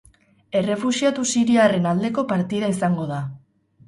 Errefuxiatu siriarren aldeko partida izango da.